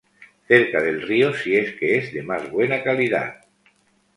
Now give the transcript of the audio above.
Cerca del río sí que es de más buena calidad.